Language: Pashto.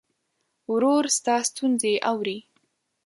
ورور ستا ستونزې اوري.